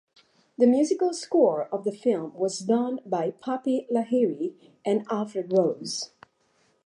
The musical score of the film was done by Bappi Lahiri and Alfred Rose.